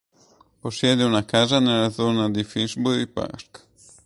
Possiede una casa nella zona di Finsbury Park.